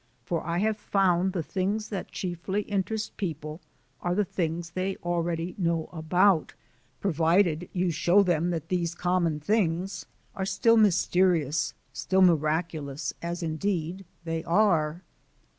For I have found the things that chiefly interest people are the things they already know about provided you show them that these common things are still mysterious, still miraculous, as indeed they are.